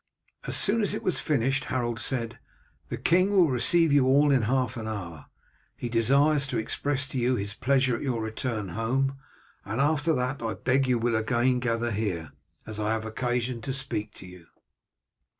As soon as it was finished Harold said, "The king will receive you all in half an hour, he desires to express to you his pleasure at your return home. After that I beg that you will again gather here, as I have occasion to speak to you."